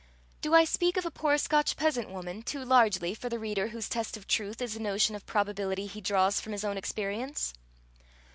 Do I speak of a poor Scotch peasant woman too largely for the reader whose test of truth is the notion of probability he draws from his own experience?